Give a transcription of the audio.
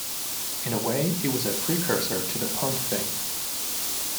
In a way it was a precursor to the punk thing.